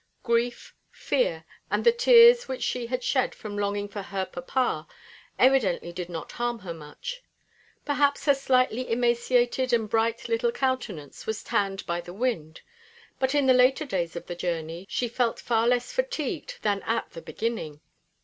Grief, fear, and the tears which she shed from longing for her papa evidently did not harm her much. Perhaps her slightly emaciated and bright little countenance was tanned by the wind, but in the later days of the journey she felt far less fatigued than at the beginning.